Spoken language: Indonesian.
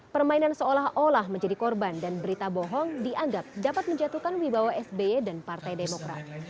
permainan seolah olah menjadi korban dan berita bohong dianggap dapat menjatuhkan wibawa sby dan partai demokrat